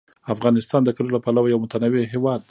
افغانستان د کلیو له پلوه یو متنوع هېواد دی.